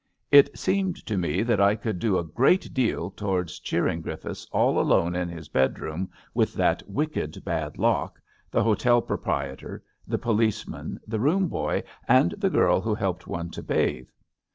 It seemed to me that I could do a great deal towards cheering Griffiths all alone in his bedroom with that wicked bad lock, the hotel proprietor, the policeman, the room boy, and the girl who helped one to bathe.